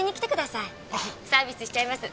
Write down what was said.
サービスしちゃいます。